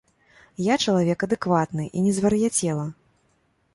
Я чалавек адэкватны і не звар'яцела!